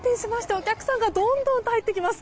お客さんがどんどんと入っていきます。